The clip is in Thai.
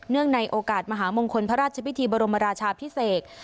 ในโอกาสมหามงคลพระราชพิธีบรมราชาพิเศษ